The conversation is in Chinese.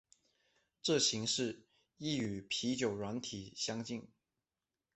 这形式亦与啤酒软体相近。